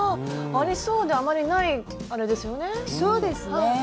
あありそうであまりないあれですよね。